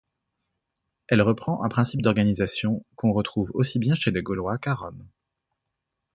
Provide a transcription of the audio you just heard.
Elle reprend un principe d'organisation qu'on retrouve aussi bien chez les Gaulois qu'à Rome.